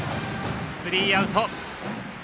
スリーアウト。